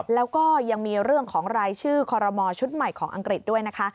แล้วก็ยังมีเรื่องของรายชื่อคอรมอชุดใหม่ของอังกฤษด้วยนะคะ